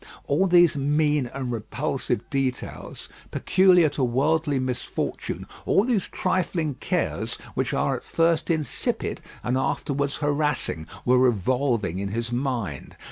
All these mean and repulsive details, peculiar to worldly misfortune; all these trifling cares, which are at first insipid, and afterwards harassing, were revolving in his mind.